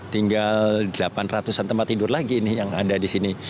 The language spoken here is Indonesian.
tinggal delapan ratus an tempat tidur lagi ini yang ada di sini